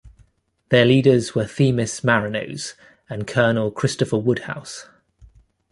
Their leaders were Themis Marinos and Colonel Christopher Woodhouse.